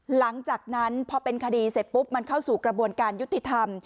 หลังจากนั้นพอเป็นคดีเสร็จปุ๊บมันเข้าสู่กระบวนการยุติธรรม